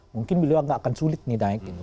mungkin beliau tidak akan sulit naik ya